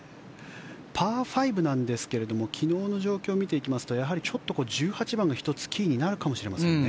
パー５なんですが昨日の状況を見ていきますとやはり、ちょっと１８番が１つキーになるかもしれませんね。